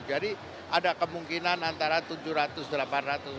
jadi ada kemungkinan antara rp tujuh ratus delapan ratus